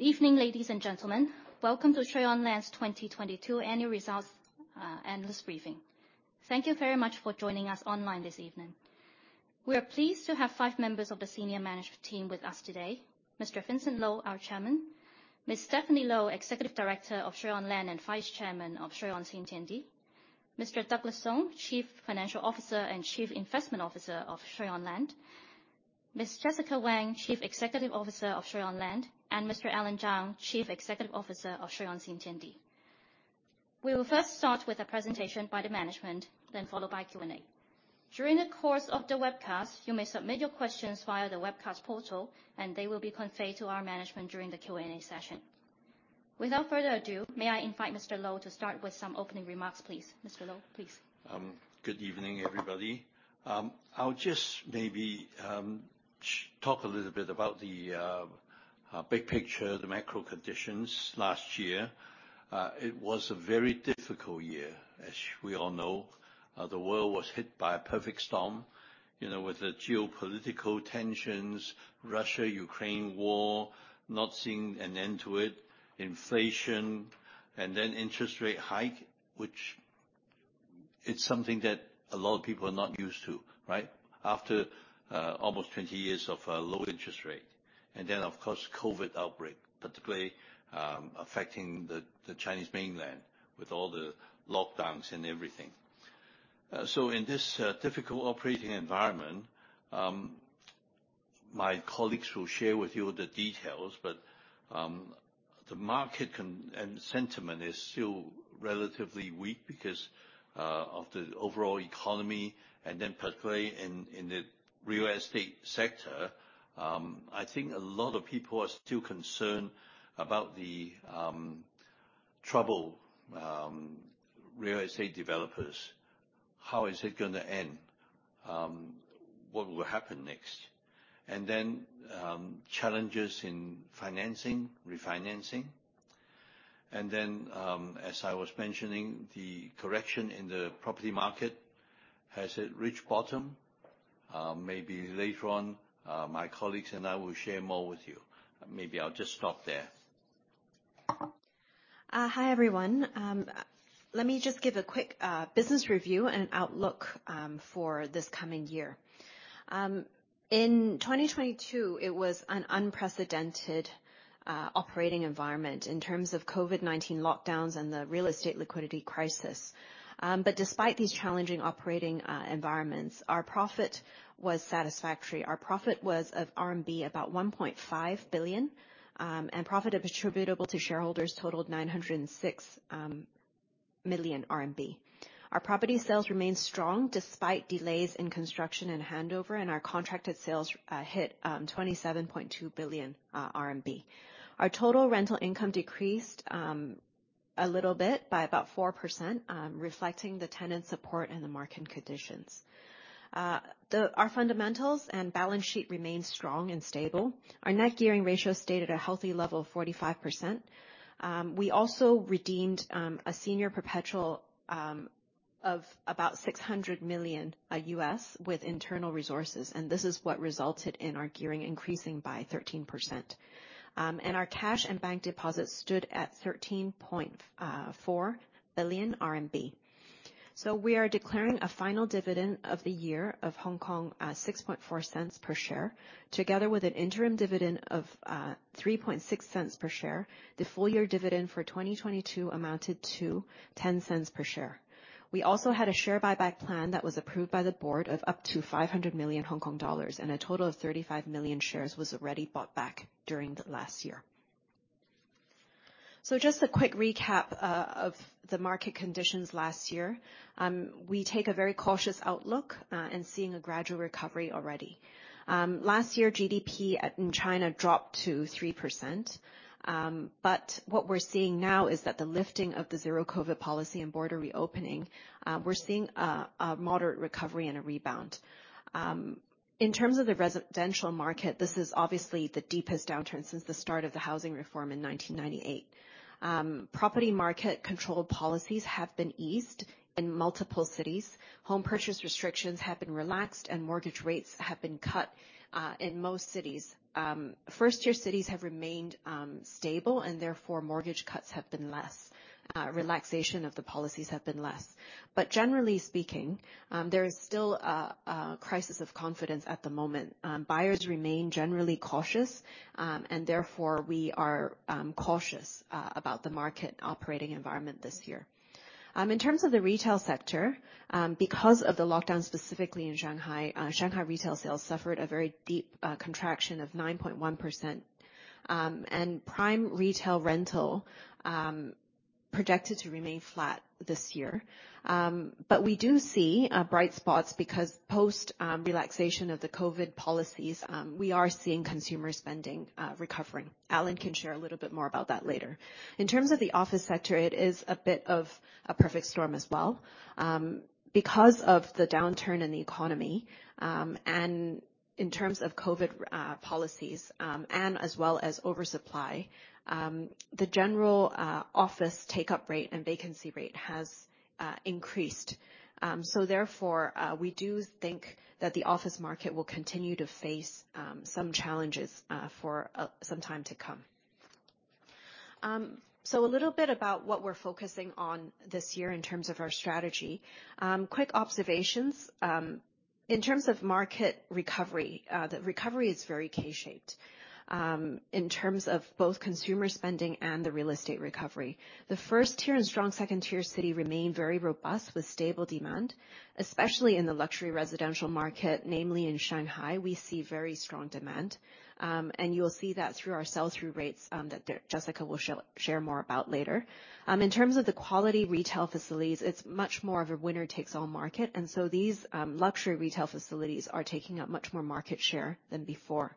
Evening, ladies and gentlemen. Welcome to Shui On Land's 2022 annual results earnings briefing. Thank you very much for joining us online this evening. We are pleased to have five members of the senior management team with us today. Mr. Vincent Lo, our Chairman, Ms. Stephanie Lo, Executive Director of Shui On Land and Vice Chairman of Shui On Xintiandi, Mr. Douglas Sung, CFO and CIO of Shui On Land, Ms. Jessica Wang, CEO of Shui On Land, and Mr. Allan Zhang, CEO of Shui On Xintiandi. We will first start with a presentation by the management, then followed by Q&A. During the course of the webcast, you may submit your questions via the webcast portal. They will be conveyed to our management during the Q&A session. Without further ado, may I invite Mr. Lo to start with some opening remarks, please. Mr. Lo, please. Good evening, everybody. I'll just maybe talk a little bit about the big picture, the macro conditions last year. It was a very difficult year, as we all know. The world was hit by a perfect storm, you know, with the geopolitical tensions, Russia-Ukraine war, not seeing an end to it, inflation, and then interest rate hike, which it's something that a lot of people are not used to, right? After almost 20 years of low interest rate, and then of course, COVID-19 outbreak, particularly affecting the Chinese mainland with all the lockdowns and everything. In this difficult operating environment, my colleagues will share with you the details, but the market sentiment is still relatively weak because of the overall economy and then particularly in the real estate sector. I think a lot of people are still concerned about the troubled real estate developers. How is it gonna end? What will happen next? Challenges in financing, refinancing, as I was mentioning, the correction in the property market, has it reached bottom? Maybe later on, my colleagues and I will share more with you. Maybe I'll just stop there. Hi, everyone. Let me just give a quick business review and outlook for this coming year. In 2022, it was an unprecedented operating environment in terms of COVID-19 lockdowns and the real estate liquidity crisis. Despite these challenging operating environments, our profit was satisfactory. Our profit was of CNY about 1.5 billion, and profit attributable to shareholders totaled 906 million RMB. Our property sales remained strong despite delays in construction and handover, and our contracted sales hit 27.2 billion RMB. Our total rental income decreased a little bit by about 4%, reflecting the tenant support and the market conditions. Our fundamentals and balance sheet remained strong and stable. Our net gearing ratio stayed at a healthy level of 45%. We also redeemed a senior perpetual of about $600 million with internal resources. This is what resulted in our gearing increasing by 13%. Our cash and bank deposits stood at 13.4 billion RMB. We are declaring a final dividend of the year of 6.4 cents per share. Together with an interim dividend of 3.6 cents per share, the full year dividend for 2022 amounted to 10 cents per share. We also had a share buyback plan that was approved by the board of up to 500 million Hong Kong dollars. A total of 35 million shares was already bought back during the last year. Just a quick recap of the market conditions last year. We take a very cautious outlook, and seeing a gradual recovery already. Last year, GDP at, in China dropped to 3%. What we're seeing now is that the lifting of the zero COVID-19 policy and border reopening, we're seeing a moderate recovery and a rebound. In terms of the residential market, this is obviously the deepest downturn since the start of the housing reform in 1998. Property market control policies have been eased in multiple cities. Home purchase restrictions have been relaxed, and mortgage rates have been cut in most cities. First-tier cities have remained stable, and therefore mortgage cuts have been less, relaxation of the policies have been less. Generally speaking, there is still a crisis of confidence at the moment. Buyers remain generally cautious, therefore we are cautious about the market operating environment this year. In terms of the retail sector, because of the lockdown specifically in Shanghai retail sales suffered a very deep contraction of 9.1%, prime retail rental projected to remain flat this year. We do see bright spots because post relaxation of the COVID-19 policies, we are seeing consumer spending recovering. Allan can share a little bit more about that later. In terms of the office sector, it is a bit of a perfect storm as well. Because of the downturn in the economy, in terms of COVID-19 policies, as well as oversupply, the general office take-up rate and vacancy rate has increased. Therefore, we do think that the office market will continue to face some challenges for some time to come. A little bit about what we're focusing on this year in terms of our strategy. Quick observations. In terms of market recovery, the recovery is very K-shaped in terms of both consumer spending and the real estate recovery. The first tier and strong second tier city remain very robust with stable demand, especially in the luxury residential market, namely in Shanghai, we see very strong demand. You'll see that through our sell-through rates that Jessica will share more about later. In terms of the quality retail facilities, it's much more of a winner takes all market, and so these luxury retail facilities are taking up much more market share than before.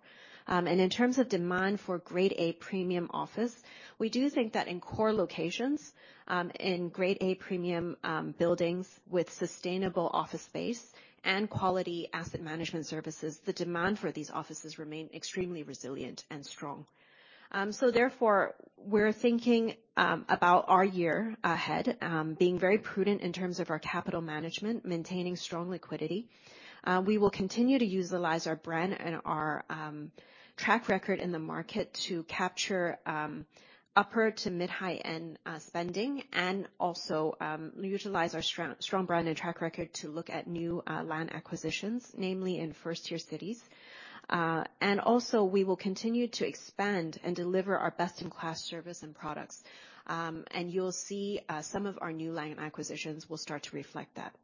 In terms of demand for Grade-A premium office, we do think that in core locations, in Grade-A premium buildings with sustainable office space and quality asset management services, the demand for these offices remain extremely resilient and strong. Therefore, we're thinking about our year ahead, being very prudent in terms of our capital management, maintaining strong liquidity. We will continue to utilize our brand and our track record in the market to capture upper to mid high-end spending and also utilize our strong brand and track record to look at new land acquisitions, namely in first-tier cities. Also, we will continue to expand and deliver our best-in-class service and products. You'll see some of our new land acquisitions will start to reflect that.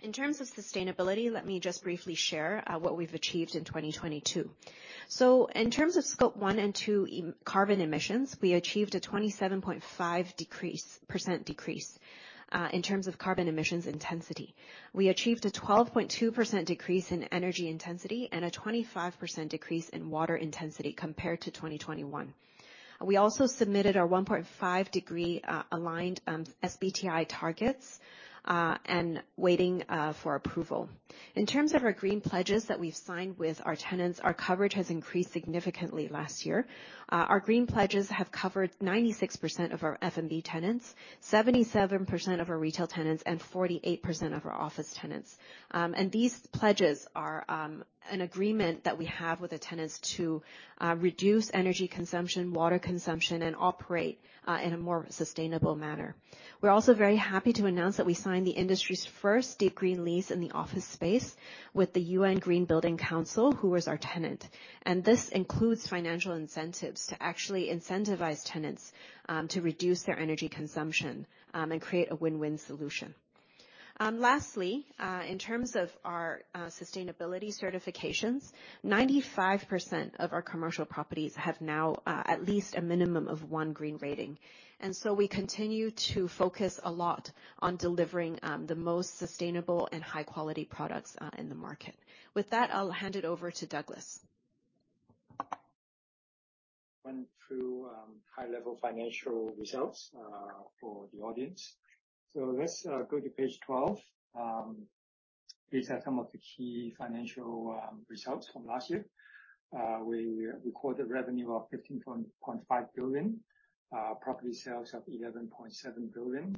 In terms of sustainability, let me just briefly share what we've achieved in 2022. In terms of scope 1 and 2 carbon emissions, we achieved a 27.5% decrease in terms of carbon emissions intensity. We achieved a 12.2% decrease in energy intensity and a 25% decrease in water intensity compared to 2021. We also submitted our 1.5 degree aligned SBTI targets and waiting for approval. In terms of our green pledges that we've signed with our tenants, our coverage has increased significantly last year. Our green pledges have covered 96% of our F&B tenants, 77% of our retail tenants, and 48% of our office tenants. These pledges are an agreement that we have with the tenants to reduce energy consumption, water consumption, and operate in a more sustainable manner. We're also very happy to announce that we signed the industry's first deep green lease in the office space with the U.S. Green Building Council, who was our tenant. This includes financial incentives to actually incentivize tenants to reduce their energy consumption and create a win-win solution. Lastly, in terms of our sustainability certifications, 95% of our commercial properties have now at least a minimum of one green rating. We continue to focus a lot on delivering the most sustainable and high-quality products in the market. With that, I'll hand it over to Douglas. Run through high-level financial results for the audience. Let's go to page 12. These are some of the key financial results from last year. We recorded revenue of 15.5 billion, property sales of 11.7 billion,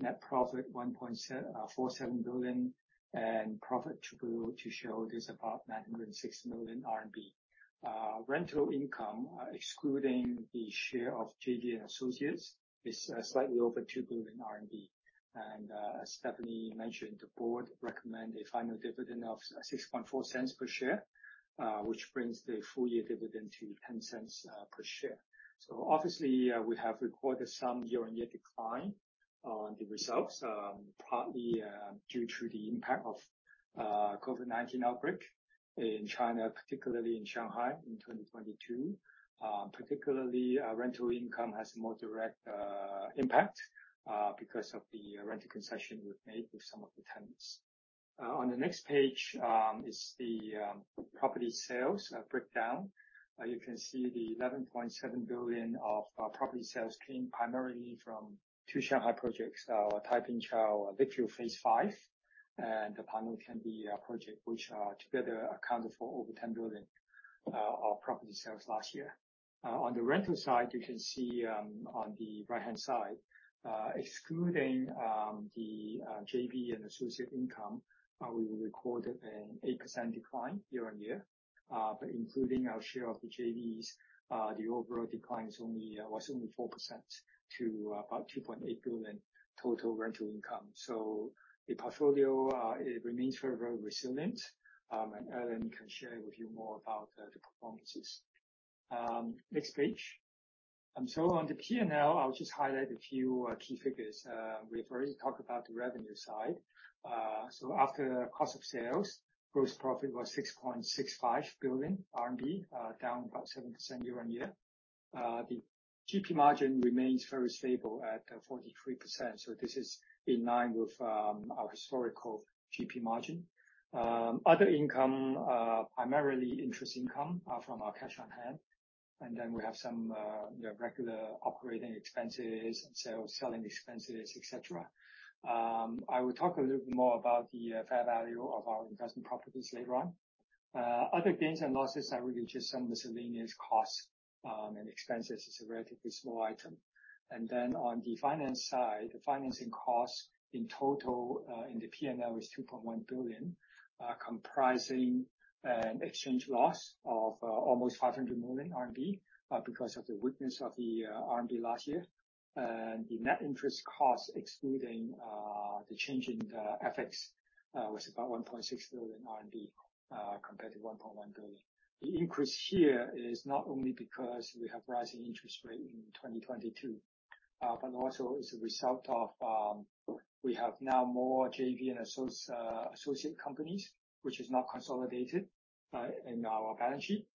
net profit 1.47 billion, and profit attribute to show just about 906 million RMB. Rental income, excluding the share of JV and associates, is slightly over 2 billion RMB. As Stephanie mentioned, the board recommend a final dividend of 0.064 per share, which brings the full year dividend to 0.10 per share. Obviously, we have recorded some year-on-year decline on the results, partly due to the impact of COVID-19 outbreak in China, particularly in Shanghai in 2022. Particularly our rental income has more direct impact because of the rental concession we've made with some of the tenants. On the next page is the property sales breakdown. You can see the 11.7 billion of property sales came primarily from two Shanghai projects, Taipingqiao, Lakeville Phase Five, and the Panlong Tiandi project, which together accounted for over 10 billion of property sales last year. On the rental side, you can see on the right-hand side, excluding the JV and associate income, we recorded an 8% decline year-on-year, including our share of the JVs, the overall decline was only 4% to about 2.8 billion total rental income. The portfolio remains very resilient. Allan can share with you more about the performances. Next page. On the P&L, I'll just highlight a few key figures. We've already talked about the revenue side. After cost of sales, gross profit was 6.65 billion RMB, down about 7% year-on-year. The GP margin remains very stable at 43%. This is in line with our historical GP margin. Other income, primarily interest income, are from our cash on hand. We have some, you know, regular operating expenses and sales, selling expenses, et cetera. I will talk a little bit more about the fair value of our investment properties later on. Other gains and losses are really just some miscellaneous costs and expenses. It's a relatively small item. On the finance side, the financing cost in total, in the P&L is 2.1 billion, comprising an exchange loss of almost 500 million RMB, because of the weakness of the CNY last year. The net interest cost excluding the change in FX was about 1.6 billion RMB, compared to 1.1 billion. The increase here is not only because we have rising interest rate in 2022, but also is a result of we have now more JV and associate companies, which is not consolidated in our balance sheet.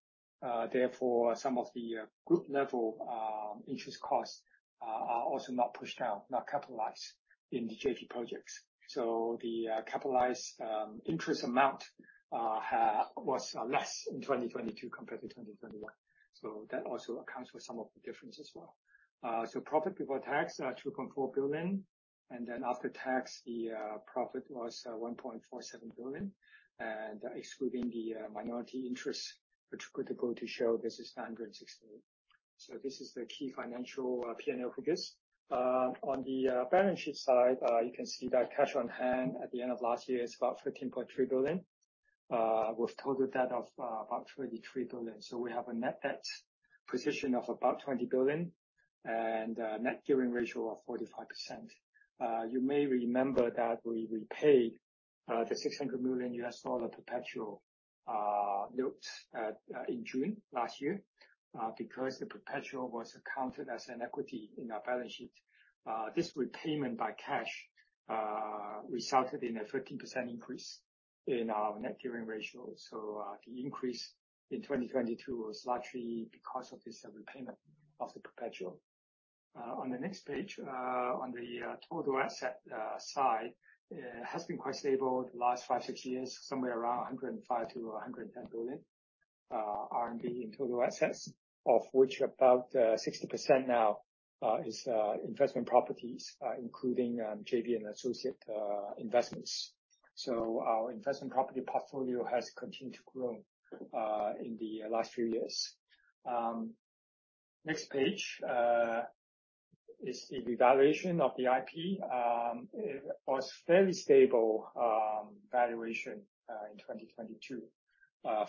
Therefore, some of the group level interest costs are also not pushed down, not capitalized in the JV projects. The capitalized interest amount was less in 2022 compared to 2021. That also accounts for some of the difference as well. Profit before tax, 2.4 billion. After tax, the profit was 1.47 billion. Excluding the minority interest which equitable to show this is 968. This is the key financial P&L figures. On the balance sheet side, you can see that cash on hand at the end of last year is about 13.3 billion with total debt of about 23 billion. We have a net debt position of about 20 billion and a net gearing ratio of 45%. You may remember that we repaid the $600 million perpetual notes in June last year. Because the perpetual was accounted as an equity in our balance sheet. This repayment by cash resulted in a 13% increase in our net gearing ratio. The increase in 2022 was largely because of this repayment of the perpetual. On the next page, on the total asset side, has been quite stable the last five, six years, somewhere around 105 billion-110 billion RMB in total assets, of which about 60% now is investment properties, including JV and associate investments. Our investment property portfolio has continued to grow in the last few years. Next page is the valuation of the IP. It was fairly stable valuation in 2022.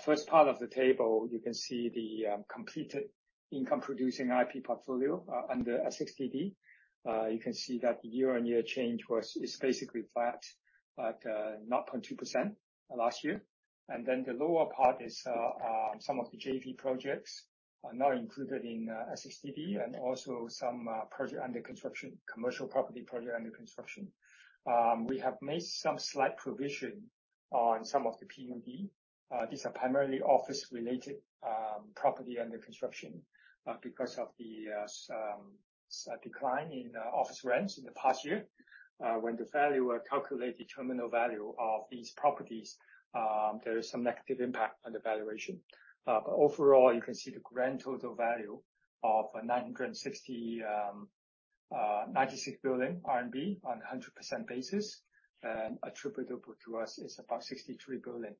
First part of the table, you can see the completed income producing IP portfolio under SD6-D. You can see that the year-on-year change is basically flat at 0.2% last year. The lower part is some of the JV projects are not included in SD6-D, and also some project under construction, commercial property project under construction. We have made some slight provision on some of the PUD. These are primarily office-related property under construction because of the some decline in office rents in the past year. When the valuer calculate the terminal value of these properties, there is some negative impact on the valuation. Overall, you can see the grand total value of 96 billion RMB on a 100% basis, and attributable to us is about 63 billion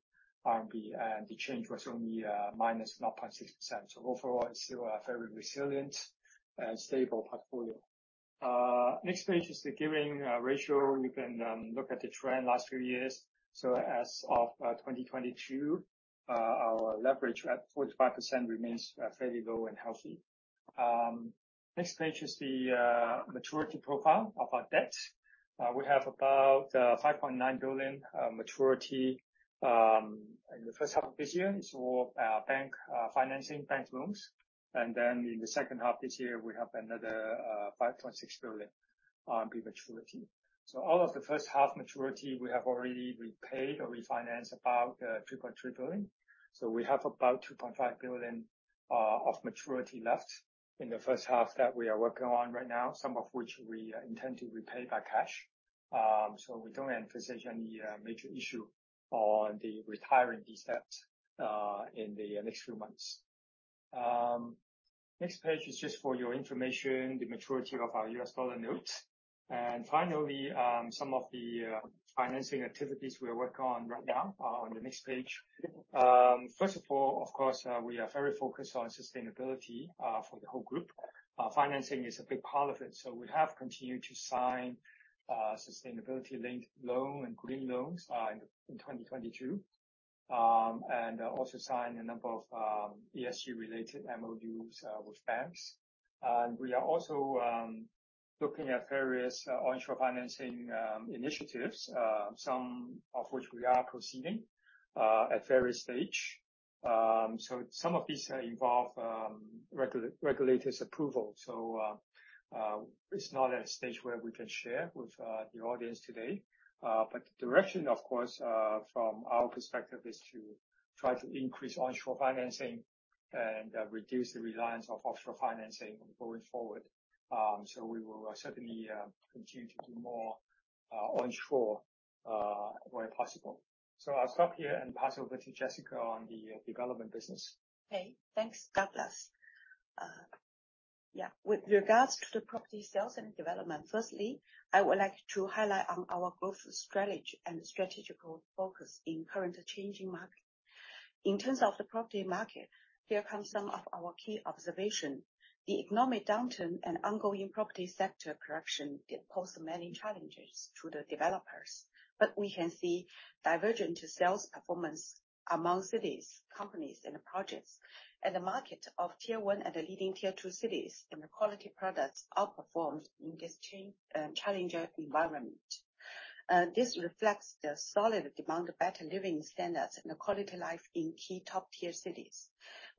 RMB, and the change was only minus 0.6%. Overall, it's still a very resilient, stable portfolio. Next page is the gearing ratio. You can look at the trend last few years. As of 2022, our leverage at 45% remains fairly low and healthy. Next page is the maturity profile of our debt. We have about 5.9 billion maturity in the first half of this year. It's all bank financing, bank loans. In the second half this year, we have another 5.6 billion RMB maturity. Out of the first half maturity, we have already repaid or refinanced about $2.3 billion. We have about $2.5 billion of maturity left in the first half that we are working on right now, some of which we intend to repay by cash. We don't envisage any major issue on the retiring these debts in the next few months. Next page is just for your information, the maturity of our U.S. dollar notes. Finally, some of the financing activities we are working on right now are on the next page. Of course, we are very focused on sustainability for the whole group. Financing is a big part of it. We have continued to sign sustainability-linked loan and green loans in 2022. Also sign a number of ESG related MOUs with banks. We are also looking at various onshore financing initiatives, some of which we are proceeding at various stage. Some of these involve regulators' approval. It's not at a stage where we can share with the audience today. The direction, of course, from our perspective, is to try to increase onshore financing and reduce the reliance of offshore financing going forward. We will certainly continue to do more onshore where possible. I'll stop here and pass over to Jessica on the development business. Okay. Thanks, Douglas. Yeah. With regards to the property sales and development, firstly, I would like to highlight on our growth strategy and strategical focus in current changing market. In terms of the property market, here comes some of our key observation. The economic downturn and ongoing property sector correction did pose many challenges to the developers. We can see divergent sales performance among cities, companies and projects. The market of Tier 1 and the leading Tier 2 cities, and the quality products outperformed in this challenging environment. This reflects the solid demand of better living standards and quality life in key top-tier cities.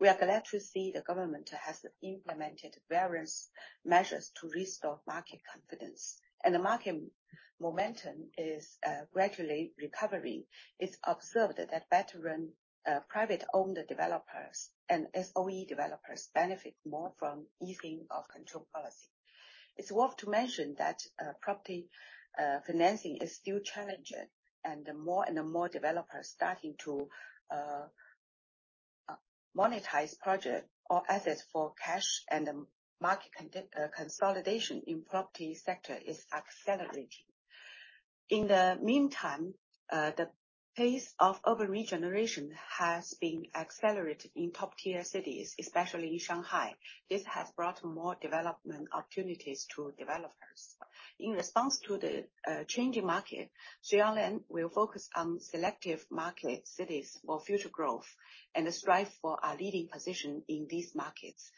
We are glad to see the government has implemented various measures to restore market confidence, and the market momentum is gradually recovering. It's observed that better run private-owned developers and SOE developers benefit more from easing of control policy. It's worth to mention that property financing is still challenging, and more and more developers are starting to monetize project or assets for cash and market consolidation in property sector is accelerating. In the meantime, the pace of urban regeneration has been accelerated in top-tier cities, especially in Shanghai. This has brought more development opportunities to developers. In response to the changing market, Shui On Land will focus on selective market cities for future growth and strive for a leading position in these markets.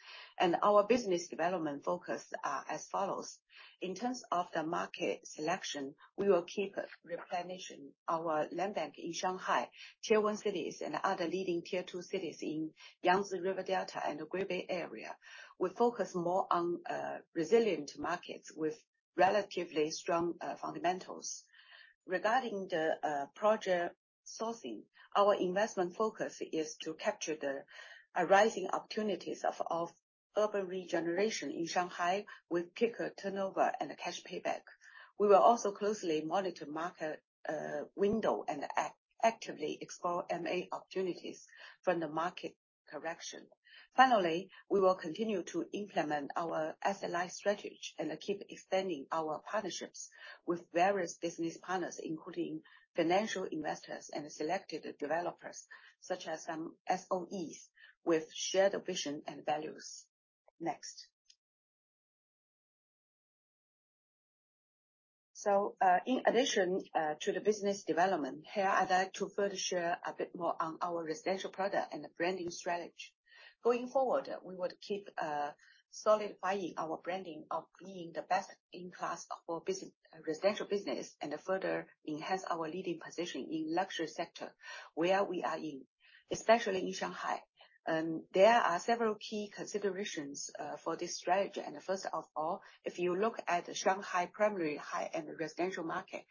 Our business development focus are as follows. In terms of the market selection, we will keep replenishing our land bank in Shanghai, Tier 1 cities and other leading Tier 2 cities in Yangtze River Delta and the Greater Bay Area. We focus more on resilient markets with relatively strong fundamentals. Regarding the project sourcing, our investment focus is to capture the arising opportunities of urban regeneration in Shanghai with quicker turnover and cash payback. We will also closely monitor market window and actively explore M&A opportunities from the market correction. Finally, we will continue to implement our SLI strategy and keep expanding our partnerships with various business partners, including financial investors and selected developers such as some SOEs with shared vision and values. Next. In addition to the business development, here I'd like to further share a bit more on our residential product and the branding strategy. Going forward, we would keep solidifying our branding of being the best-in-class for residential business and further enhance our leading position in luxury sector where we are in, especially in Shanghai. There are several key considerations for this strategy. First of all, if you look at the Shanghai primary high-end residential market,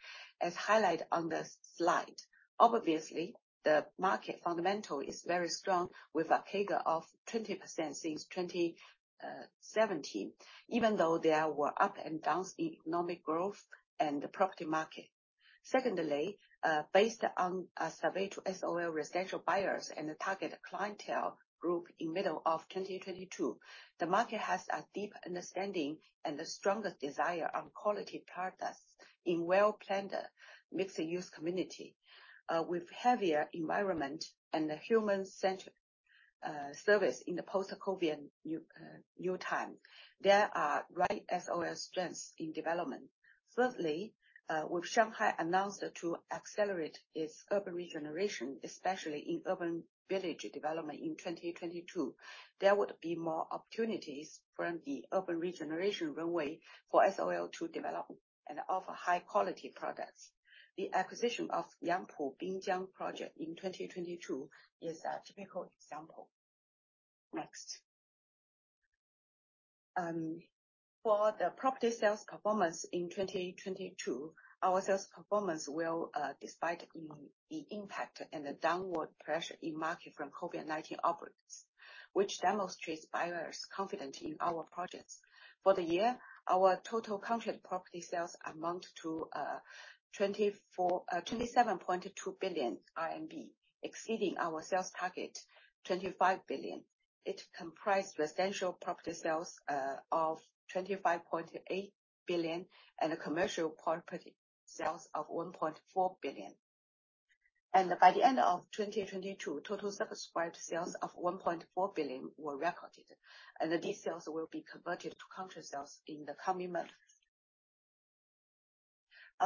as highlighted on the slide, obviously the market fundamental is very strong, with a CAGR of 20% since 2017, even though there were up and downs in economic growth and the property market. Secondly, based on a survey to SOL residential buyers and the target clientele group in middle of 2022, the market has a deep understanding and the strongest desire on quality products in well-planned, mixed-use community, with heavier environment and human-centric service in the post-COVID new time. There are right SOL strengths in development. Thirdly, with Shanghai announced to accelerate its urban regeneration, especially in urban village development in 2022, there would be more opportunities from the urban regeneration runway for SOL to develop and offer high-quality products. The acquisition of Yangpu Binjiang project in 2022 is a typical example. Next. For the property sales performance in 2022, our sales performance will, despite the impact and the downward pressure in market from COVID-19 outbreaks, which demonstrates buyers' confidence in our projects. For the year, our total contract property sales amount to 27.2 billion RMB, exceeding our sales target, 25 billion. It comprised residential property sales of 25.8 billion and commercial property sales of 1.4 billion. By the end of 2022, total subscribed sales of 1.4 billion were recorded, and these sales will be converted to contract sales in the coming months.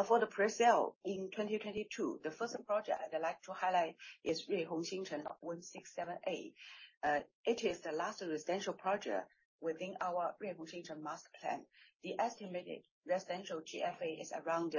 For the pre-sale in 2022, the first project I'd like to highlight is Rui Hong Xin Cheng Lots 167 & 168. It is the last residential project within our Rui Hong Xin Cheng master plan. The estimated residential GFA is around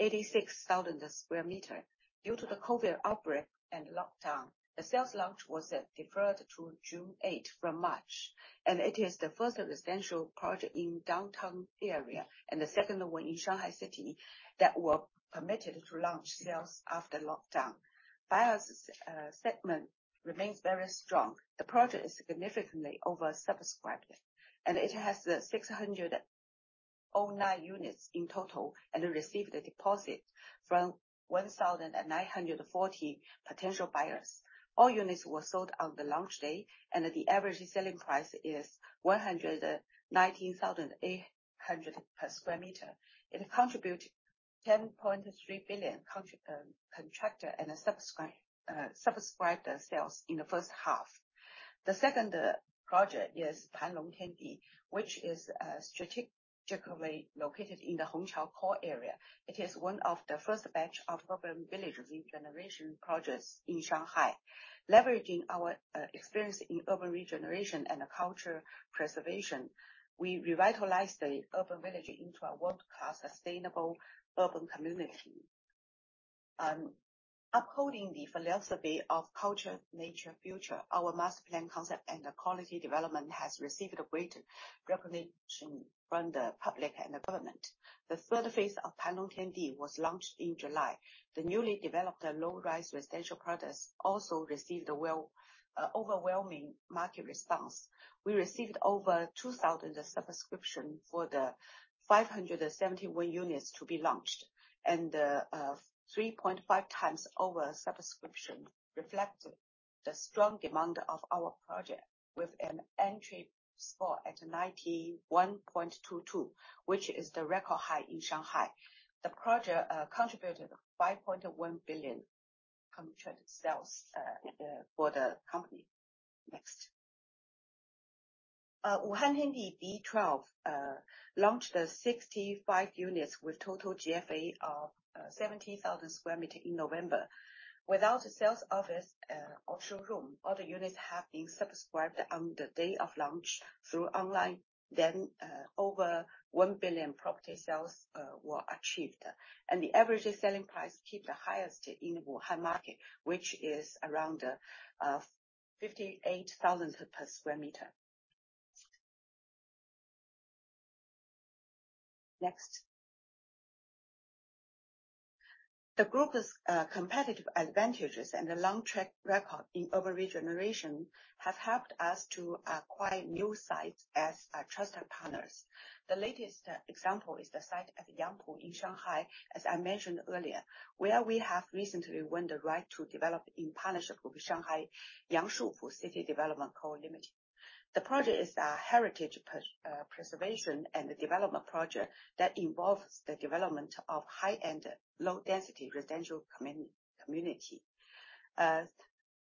86,000 square meters. Due to the COVID-19 outbreak and lockdown, the sales launch was deferred to June 8th from March. It is the first residential project in downtown area and the second one in Shanghai city that were permitted to launch sales after lockdown. Buyers segment remains very strong. The project is significantly oversubscribed. It has 609 units in total and received a deposit from 1,940 potential buyers. All units were sold on the launch day. The average selling price is 119,800 per square meter. It contributed 10.3 billion contract and subscriber sales in the first half. The second project is Panlong Tiandi, which is strategically located in the Hongqiao core area. It is one of the first batch of urban village regeneration projects in Shanghai. Leveraging our experience in urban regeneration and culture preservation, we revitalized the urban village into a world-class sustainable urban community. Upholding the philosophy of culture, nature, future, our master plan concept and quality development has received great recognition from the public and the government. The third phase of Panlong Tiandi was launched in July. The newly developed low-rise residential projects also received a overwhelming market response. We received over 2,000 subscription for the 571 units to be launched. 3.5x oversubscription reflected the strong demand of our project with an entry score at 91.22, which is the record high in Shanghai. The project contributed 5.1 billion contract sales for the company. Next. Wuhan Tiandi D12 launched 65 units with total GFA of 70,000 sq m in November. Without a sales office or showroom, all the units have been subscribed on the day of launch through online. Over 1 billion property sales were achieved. The average selling price keep the highest in Wuhan market, which is around 58,000 per sq m. Next. The group's competitive advantages and the long track record in urban regeneration has helped us to acquire new sites as our trusted partners. The latest example is the site at Yangpu in Shanghai, as I mentioned earlier, where we have recently won the right to develop in partnership with Shanghai Yangshupu City Development Co Limited. The project is a heritage preservation and development project that involves the development of high-end, low-density residential community.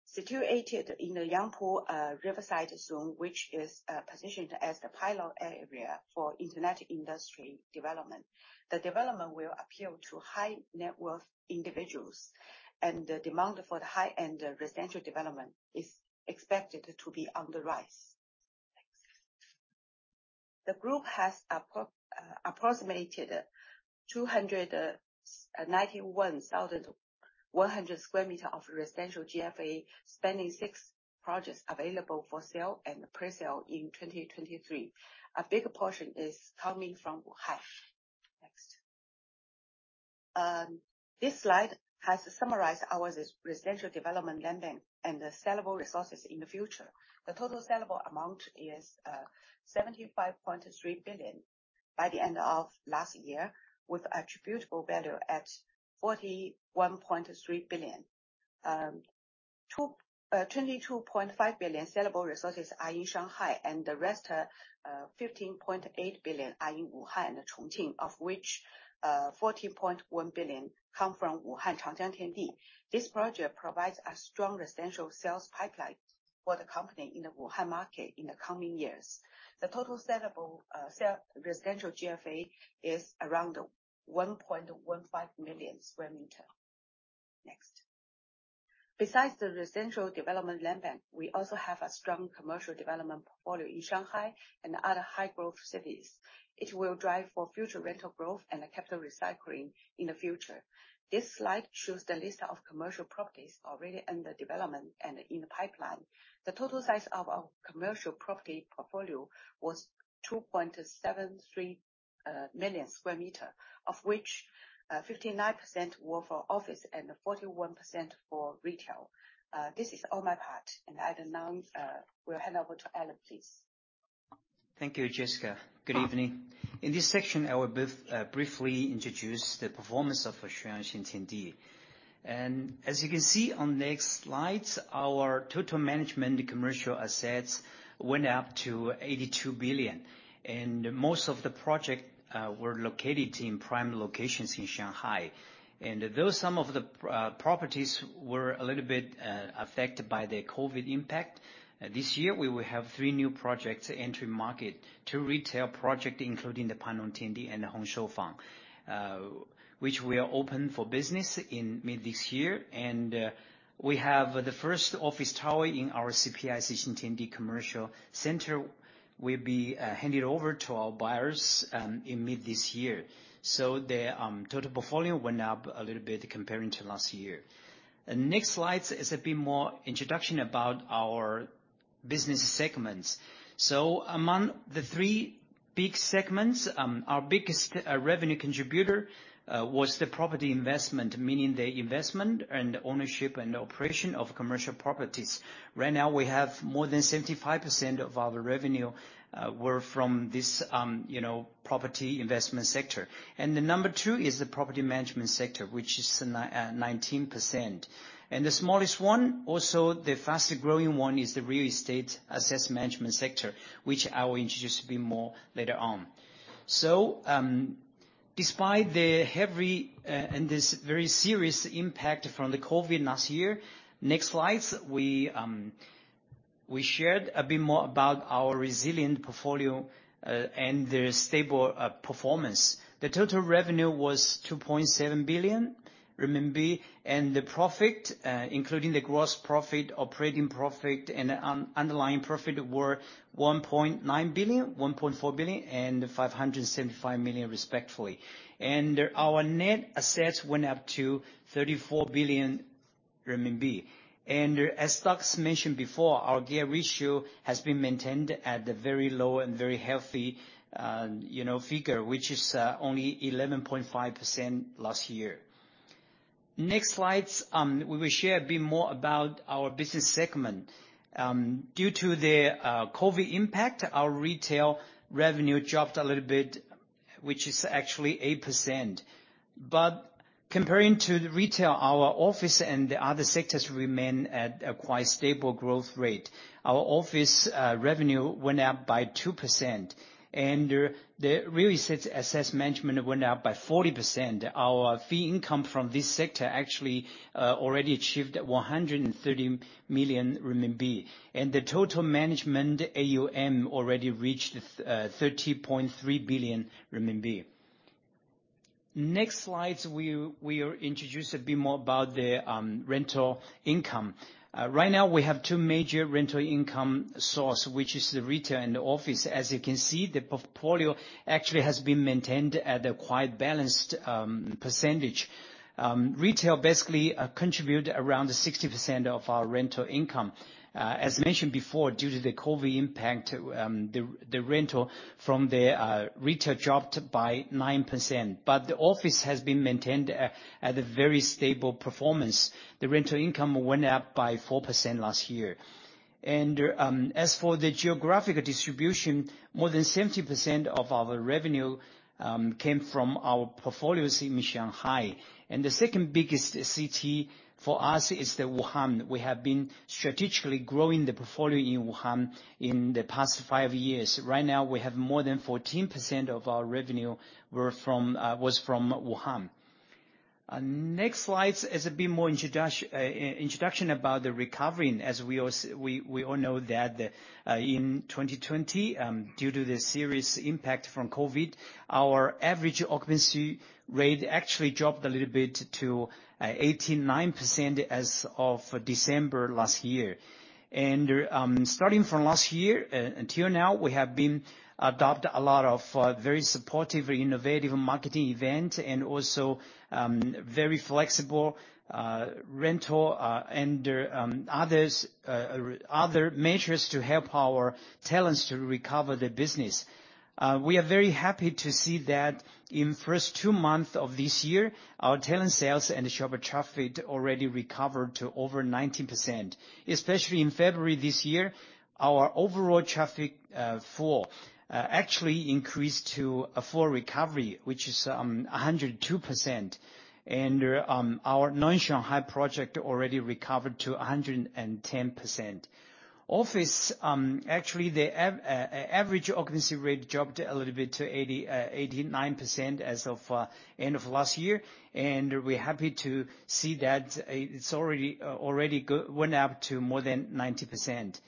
Situated in the Yangpu riverside zone, which is positioned as the pilot area for internet industry development. The development will appeal to high-net-worth individuals, and the demand for the high-end residential development is expected to be on the rise. Next. The group has approximated 291,100 sq m of residential GFA spanning 6 projects available for sale and presale in 2023. A big portion is coming from Wuhan. Next. This slide has summarized our residential development landbank and the sellable resources in the future. The total sellable amount is 75.3 billion by the end of last year, with attributable value at 41.3 billion. 22.5 billion sellable resources are in Shanghai and the rest, 15.8 billion are in Wuhan and Chongqing, of which, 14.1 billion come from Wuhan Changjiang Tiandi. This project provides a strong residential sales pipeline for the company in the Wuhan market in the coming years. The total sellable residential GFA is around 1.15 million square meters. Next. Besides the residential development landbank, we also have a strong commercial development portfolio in Shanghai and other high-growth cities. It will drive for future rental growth and capital recycling in the future. This slide shows the list of commercial properties already under development and in the pipeline. The total size of our commercial property portfolio was 2.73 million square meter, of which 59% were for office and 41% for retail. This is all my part, and I'd now will hand over to Alan, please. Thank you, Jessica. Good evening. In this section, I will briefly introduce the performance of Shui On Xintiandi. As you can see on next slides, our total management commercial assets went up to 82 billion. Most of the project were located in prime locations in Shanghai. Though some of the properties were a little bit affected by the COVID-19 impact, this year, we will have three new projects entry market. Two retail project, including the Panlong Tiandi and Hong Shou Fang, which will open for business in mid this year. We have the first office tower in our CPIC Xintiandi commercial center will be handed over to our buyers in mid this year. The total portfolio went up a little bit comparing to last year. The next slide is a bit more introduction about our business segments. Among the three big segments, our biggest revenue contributor was the property investment, meaning the investment and ownership and operation of commercial properties. Right now, we have more than 75% of our revenue were from this, you know, property investment sector. The number two is the property management sector, which is 19%. The smallest one, also the fastest-growing one is the real estate asset management sector, which I will introduce a bit more later on. Despite the heavy and this very serious impact from the COVID last year, next slides, we shared a bit more about our resilient portfolio and the stable performance. The total revenue was 2.7 billion RMB, the profit, including the gross profit, operating profit and underlying profit were 1.9 billion, 1.4 billion and 575 million respectively. Our net assets went up to 34 billion RMB. As Douglas mentioned before, our gear ratio has been maintained at a very low and very healthy, you know, figure, which is only 11.5% last year. Next slides, we will share a bit more about our business segment. Due to the COVID impact, our retail revenue dropped a little bit, which is actually 8%. Comparing to the retail, our office and the other sectors remain at a quite stable growth rate. Our office revenue went up by 2%, and the real estate asset management went up by 40%. Our fee income from this sector actually already achieved 130 million RMB, and the total management AUM already reached 30.3 billion RMB. Next slides, we introduce a bit more about the rental income. Right now we have two major rental income source, which is the retail and the office. As you can see, the portfolio actually has been maintained at a quite balanced percentage. Retail basically contribute around 60% of our rental income. As mentioned before, due to the COVID impact, the rental from the retail dropped by 9%, but the office has been maintained at a very stable performance. The rental income went up by 4% last year. As for the geographic distribution, more than 70% of our revenue came from our portfolios in Shanghai. The second biggest city for us is the Wuhan. We have been strategically growing the portfolio in Wuhan in the past 5 years. Right now, we have more than 14% of our revenue was from Wuhan. Next slides is a bit more introduction about the recovery. As we all know that, in 2020, due to the serious impact from COVID, our average occupancy rate actually dropped a little bit to 89% as of December last year. Starting from last year until now, we have been adopt a lot of very supportive, innovative marketing event and also very flexible rental and others, other measures to help our tenants to recover the business. We are very happy to see that in first 2 months of this year, our tenant sales and shopper traffic already recovered to over 90%. Especially in February this year, our overall traffic actually increased to a full recovery, which is 102%. Our non-Shanghai project already recovered to 110%. Office, actually the average occupancy rate dropped a little bit to 89% as of end of last year, and we're happy to see that it's already went up to more than 90%.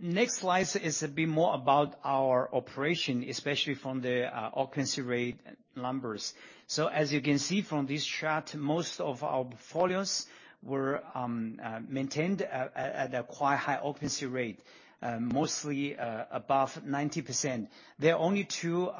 Next slide is a bit more about our operation, especially from the occupancy rate numbers. As you can see from this chart, most of our portfolios were maintained at a quite high occupancy rate, mostly above 90%. There are only two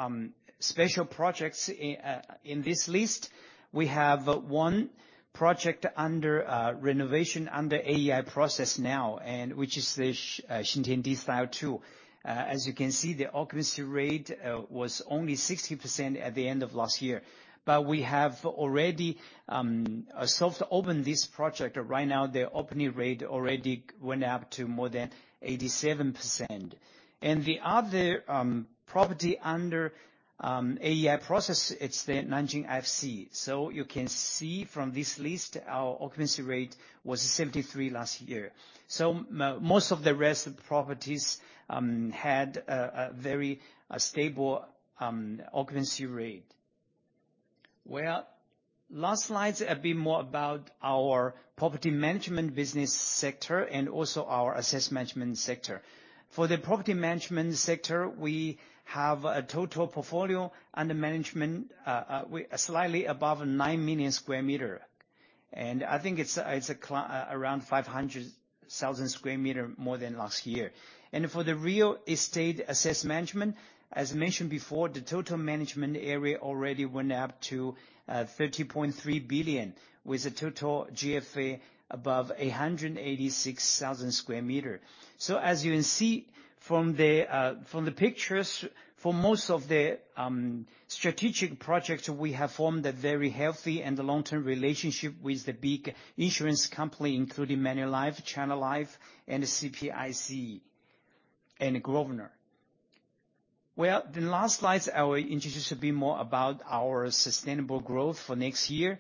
special projects in this list. We have one project under renovation, under AEI process now, and which is the XINTIANDI Style II. As you can see, the occupancy rate was only 60% at the end of last year. We have already soft-opened this project. Right now the opening rate already went up to more than 87%. The other property under AEI process, it's the Nanjing IFC. You can see from this list, our occupancy rate was 73 last year. Most of the rest of the properties had a very stable occupancy rate. Well, last slides a bit more about our property management business sector and also our asset management sector. For the property management sector, we have a total portfolio under management slightly above 9 million square meter. I think it's around 500,000 sq m more than last year. For the real estate asset management, as mentioned before, the total management area already went up to 30.3 billion, with a total GFA above 186,000 sq m. As you can see from the pictures, for most of the strategic projects, we have formed a very healthy and the long-term relationship with the big insurance company, including Manulife, China Life, CPIC, and Grosvenor. The last slides I will introduce a bit more about our sustainable growth for next year.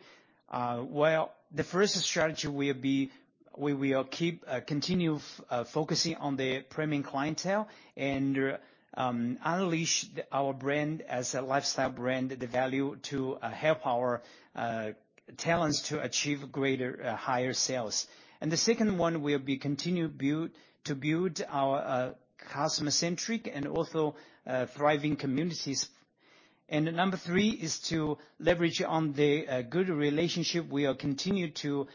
Well, the first strategy will be, we will keep, continue focusing on the premium clientele and unleash our brand as a lifestyle brand, the value to help our talents to achieve greater, higher sales. The second one will be continue to build our customer-centric and also thriving communities. Number three is to leverage on the good relationship we are continued to,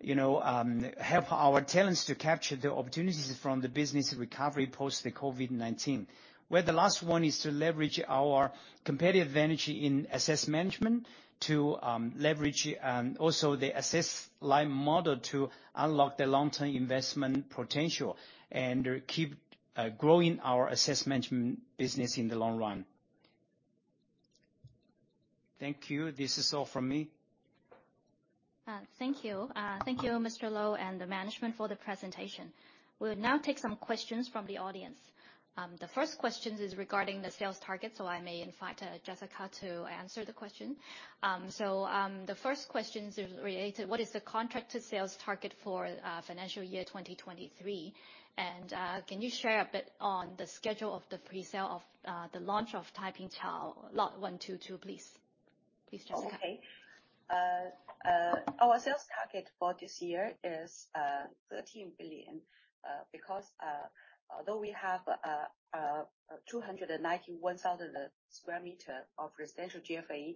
you know, help our tenants to capture the opportunities from the business recovery post the COVID-19. Well, the last one is to leverage our competitive advantage in asset management to leverage also the asset light model to unlock the long-term investment potential, and keep growing our asset management business in the long run. Thank you. This is all from me. Thank you. Thank you, Mr. Lo, and the management for the presentation. We'll now take some questions from the audience. The first questions is regarding the sales target, so I may invite Jessica to answer the question. The first questions is related, what is the contracted sales target for financial year 2023? Can you share a bit on the schedule of the presale of the launch of Taipingqiao Lot 122, please. Please, Jessica. Okay. Our sales target for this year is 13 billion because although we have 291,000 sq m of residential GFA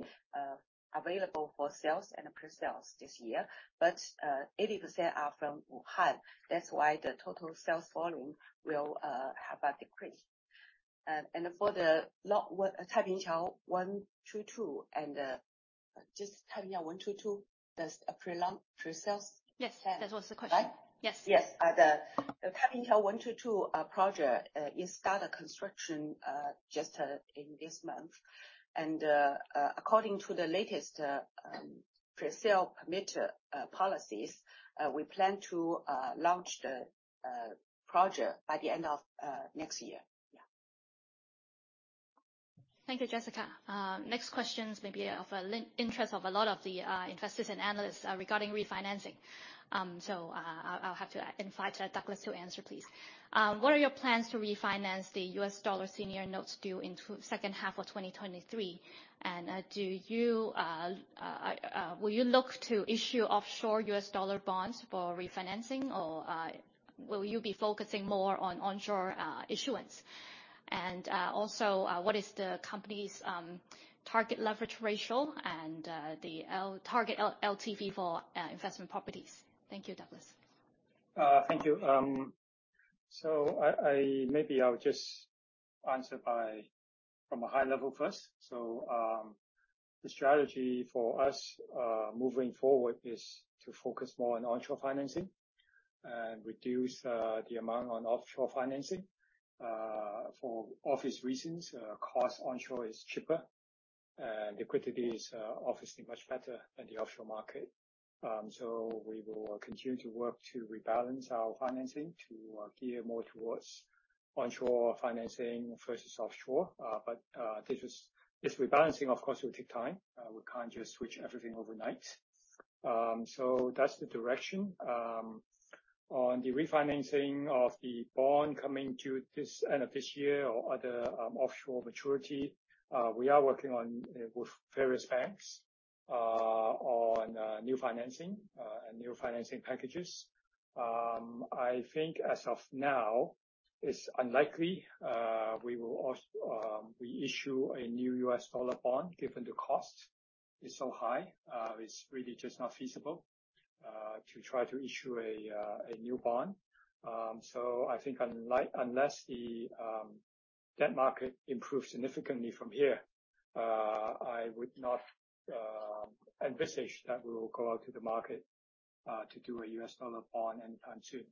available for sales and presales this year, 80% are from Wuhan. The total sales volume will have a decrease. For the lot Taipingqiao Lot 122 and just Taipingqiao Lot 122, there's a presales plan. Yes. That was the question. Right. Yes. Yes. The Taipingqiao Lot 122 project is started construction just in this month. According to the latest presale permit policies, we plan to launch the project by the end of next year. Yeah. Thank you, Jessica. Next questions may be of interest of a lot of the investors and analysts regarding refinancing. I'll have to invite Douglas to answer, please. What are your plans to refinance the U.S. dollar senior notes due in second half of 2023? Will you look to issue offshore U.S. dollar bonds for refinancing? Will you be focusing more on onshore issuance? Also, what is the company's target leverage ratio and the target LTV for investment properties? Thank you, Douglas. Thank you. I... Maybe I'll just answer by, from a high level first. The strategy for us, moving forward is to focus more on onshore financing and reduce the amount on offshore financing for obvious reasons. Cost onshore is cheaper, and liquidity is obviously much better than the offshore market. We will continue to work to rebalance our financing to gear more towards onshore financing versus offshore. This rebalancing of course will take time. We can't just switch everything overnight. That's the direction. On the refinancing of the bond coming to this end of this year or other offshore maturity, we are working on, with various banks, on new financing, and new financing packages. I think as of now it's unlikely, we issue a new US dollar bond given the cost is so high. It's really just not feasible to try to issue a new bond. I think unless the debt market improves significantly from here, I would not envisage that we will go out to the market to do a US dollar bond anytime soon.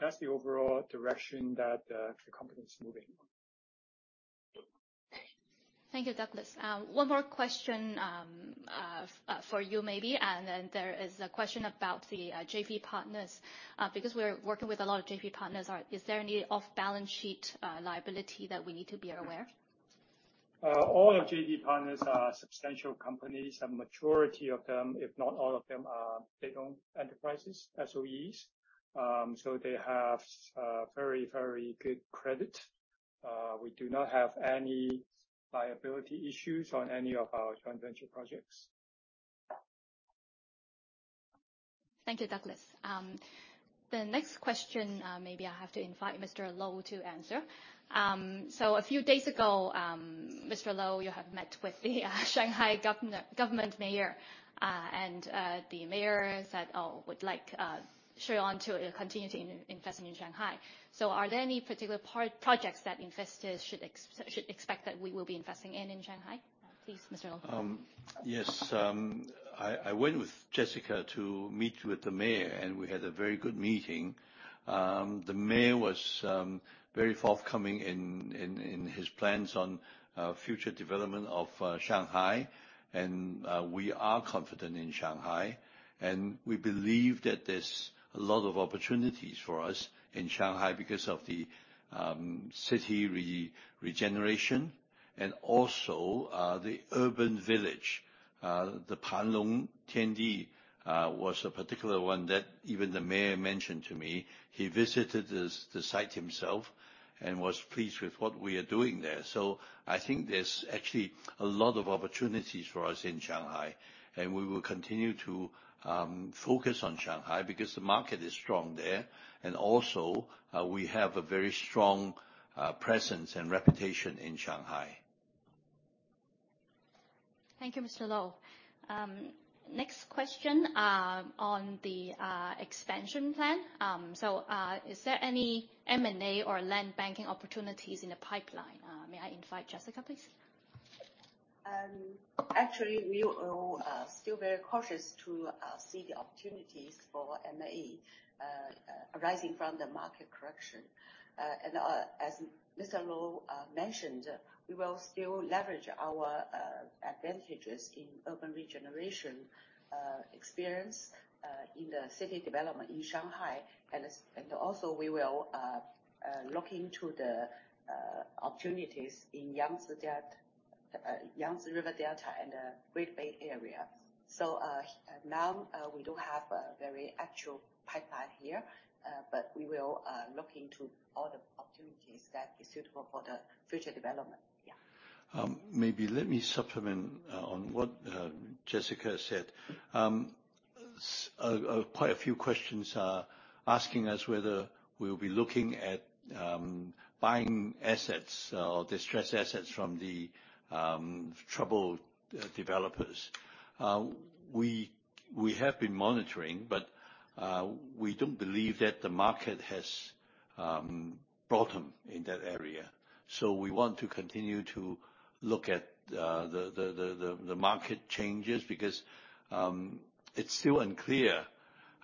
That's the overall direction that the company is moving. Thank you, Douglas. One more question for you maybe. There is a question about the JV partners. We're working with a lot of JV partners, is there any off-balance sheet liability that we need to be aware? All our JV partners are substantial companies. A majority of them, if not all of them, are state-owned enterprises, SOEs. They have very, very good credit. We do not have any liability issues on any of our joint venture projects. Thank you, Douglas. The next question, maybe I have to invite Mr. Lo to answer. A few days ago, Mr. Lo, you have met with the Shanghai government mayor. The mayor said, would like Shui On to continue to investing in Shanghai. Are there any particular projects that investors should expect that we will be investing in Shanghai? Please, Mr. Lo. Yes. I went with Jessica to meet with the mayor. We had a very good meeting. The mayor was very forthcoming in his plans on future development of Shanghai. We are confident in Shanghai. We believe that there's a lot of opportunities for us in Shanghai because of the city re-regeneration and also the urban village. The Panlong Tiandi was a particular one that even the mayor mentioned to me. He visited the site himself and was pleased with what we are doing there. I think there's actually a lot of opportunities for us in Shanghai. We will continue to focus on Shanghai because the market is strong there. Also, we have a very strong presence and reputation in Shanghai. Thank you, Mr. Lo. Next question on the expansion plan. Is there any M&A or land banking opportunities in the pipeline? May I invite Jessica, please? Actually, we are all still very cautious to see the opportunities for M&A arising from the market correction. As Mr. Lo mentioned, we will still leverage our advantages in urban regeneration experience in the city development in Shanghai. Also we will look into the opportunities in Yangtze River Delta and the Greater Bay Area. Now, we don't have a very actual pipeline here, but we will look into all the opportunities that is suitable for the future development. Yeah. Maybe let me supplement on what Jessica said. Quite a few questions are asking us whether we'll be looking at buying assets or distressed assets from the troubled developers. We have been monitoring, but we don't believe that the market has bottomed in that area. We want to continue to look at the market changes because it's still unclear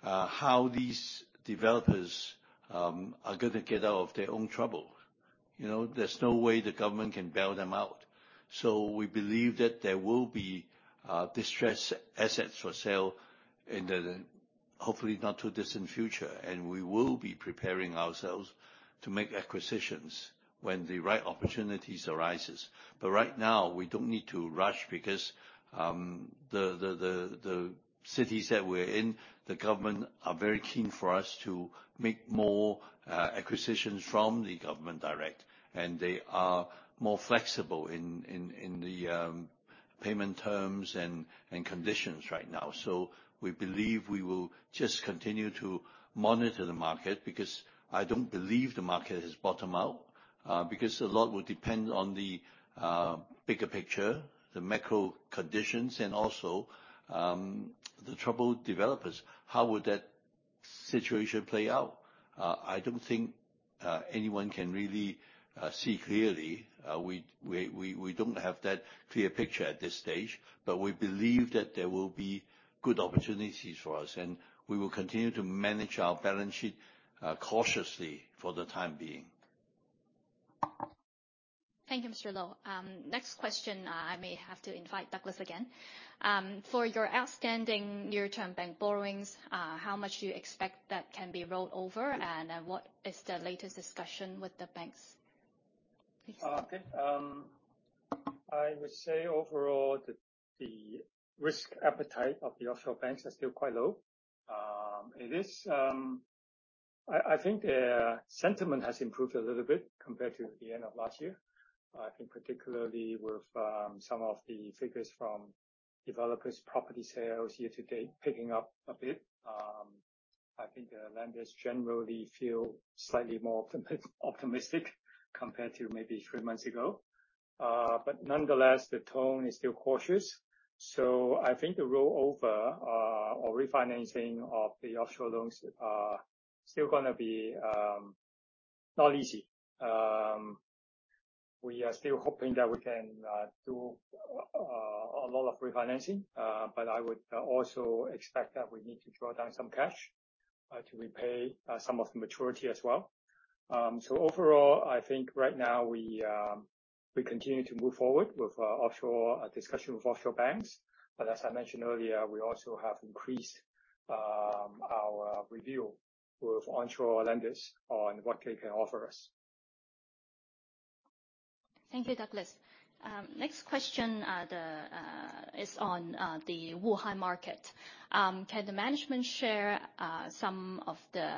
how these developers are gonna get out of their own trouble. You know, there's no way the government can bail them out. We believe that there will be distressed assets for sale in the hopefully not too distant future. We will be preparing ourselves to make acquisitions when the right opportunities arises. Right now, we don't need to rush because the cities that we're in, the government are very keen for us to make more acquisitions from the government direct, and they are more flexible in the payment terms and conditions right now. We believe we will just continue to monitor the market, because I don't believe the market has bottomed out. A lot will depend on the bigger picture, the macro conditions, and also the troubled developers. How would that situation play out? I don't think anyone can really see clearly. We don't have that clear picture at this stage, but we believe that there will be good opportunities for us, and we will continue to manage our balance sheet cautiously for the time being. Thank you, Mr. Lo. Next question, I may have to invite Douglas again. For your outstanding near-term bank borrowings, how much do you expect that can be rolled over? What is the latest discussion with the banks? Please. Okay. I would say overall, the risk appetite of the offshore banks are still quite low. It is, I think their sentiment has improved a little bit compared to the end of last year. I think particularly with some of the figures from developers' property sales year-to-date picking up a bit. I think the lenders generally feel slightly more optimistic compared to maybe three months ago. Nonetheless, the tone is still cautious. I think the rollover or refinancing of the offshore loans are still gonna be not easy. We are still hoping that we can do a lot of refinancing, but I would also expect that we need to draw down some cash to repay some of the maturity as well. Overall, I think right now we continue to move forward with a discussion with offshore banks. As I mentioned earlier, we also have increased our review with onshore lenders on what they can offer us. Thank you, Douglas. Next question is on the Wuhan market. Can the management share some of the,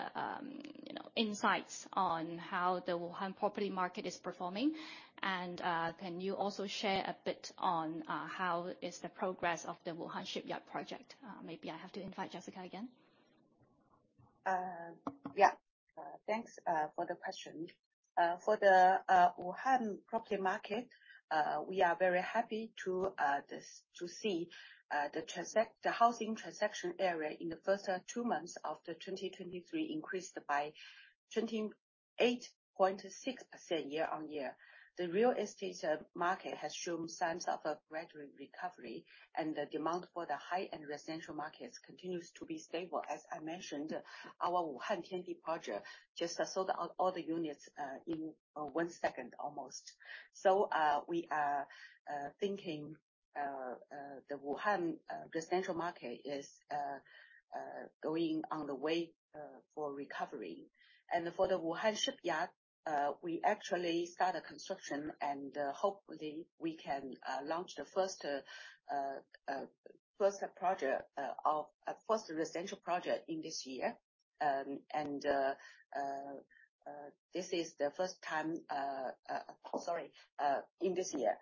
you know, insights on how the Wuhan property market is performing? Can you also share a bit on how is the progress of the Wuhan shipyard project? Maybe I have to invite Jessica again. Yeah. Thanks for the question. For the Wuhan property market, we are very happy to see the housing transaction area in the first 2 months of 2023 increased by 28.6% year-on-year. The real estate market has shown signs of a gradual recovery, and the demand for the high-end residential markets continues to be stable. As I mentioned, our Wuhan Tiandi project just sold out all the units in 1 second almost. We are thinking the Wuhan residential market is going on the way for recovery. For the Wuhan shipyard, we actually started construction and hopefully we can launch the first project of first residential project in this year. This is the first time. Sorry, in this year.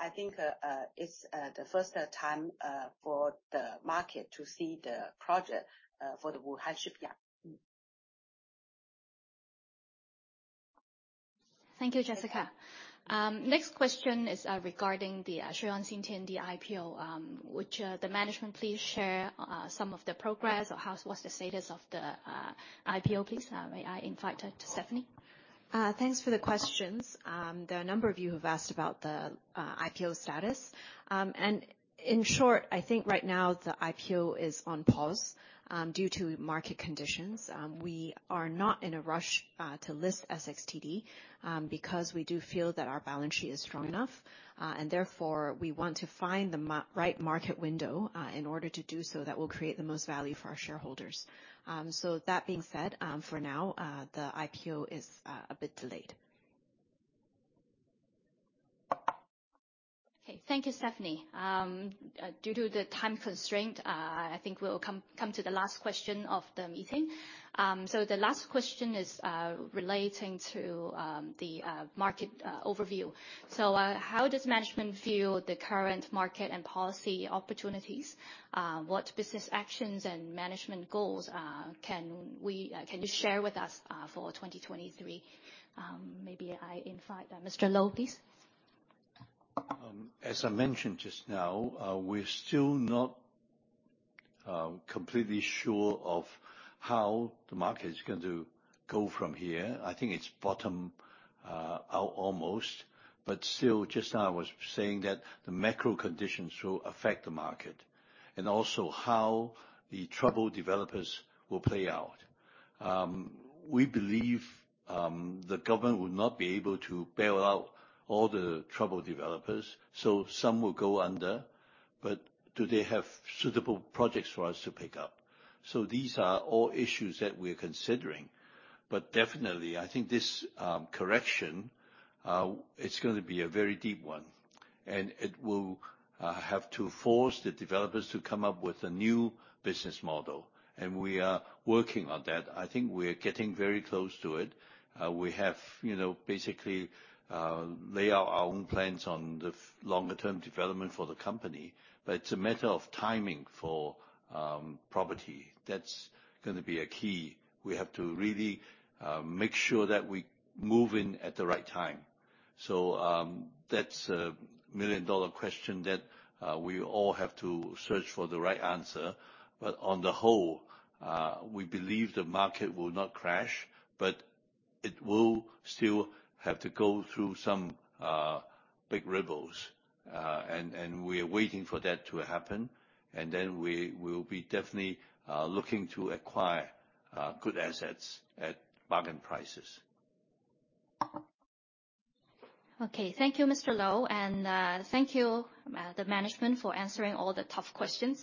I think it's the first time for the market to see the project for the Wuhan shipyard. Thank you, Jessica. Next question is regarding the Shui On Xintiandi IPO. Would the management please share some of the progress or how's, what's the status of the IPO, please? May I invite Stephanie? Thanks for the questions. There are a number of you who've asked about the IPO status. In short, I think right now the IPO is on pause due to market conditions. We are not in a rush to list Shui On Xintiandi because we do feel that our balance sheet is strong enough, and therefore we want to find the right market window in order to do so that will create the most value for our shareholders. That being said, for now, the IPO is a bit delayed. Okay. Thank you, Stephanie. Due to the time constraint, I think we'll come to the last question of the meeting. The last question is relating to the market overview. How does management view the current market and policy opportunities? What business actions and management goals can you share with us for 2023? Maybe I invite Mr. Lo, please. As I mentioned just now, we're still not completely sure of how the market is going to go from here. I think it's bottomed out almost. Still, just now I was saying that the macro conditions will affect the market, and also how the troubled developers will play out. We believe the government will not be able to bail out all the troubled developers, so some will go under. Do they have suitable projects for us to pick up? So these are all issues that we're considering. Definitely, I think this correction, it's gonna be a very deep one, and it will have to force the developers to come up with a new business model, and we are working on that. I think we're getting very close to it. We have, you know, basically, laid out our own plans on the longer term development for the company. It's a matter of timing for property. That's gonna be a key. We have to really make sure that we move in at the right time. That's a million-dollar question that we all have to search for the right answer. On the whole, we believe the market will not crash, but it will still have to go through some big ripples. We're waiting for that to happen, and then we will be definitely looking to acquire good assets at bargain prices. Okay. Thank you, Mr. Lo. Thank you, the management for answering all the tough questions.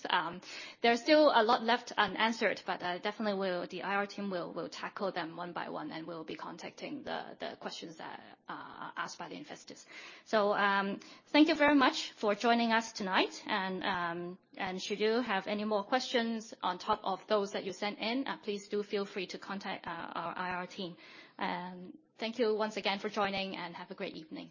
There are still a lot left unanswered, but definitely we'll, the IR team will tackle them one by one and we'll be contacting the questions that are asked by the investors. Thank you very much for joining us tonight. Should you have any more questions on top of those that you sent in, please do feel free to contact our IR team. Thank you once again for joining, and have a great evening.